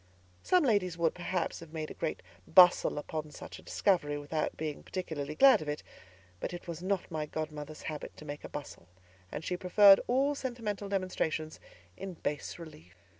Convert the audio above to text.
Some ladies would, perhaps, have made a great bustle upon such a discovery without being particularly glad of it; but it was not my godmother's habit to make a bustle, and she preferred all sentimental demonstrations in bas relief.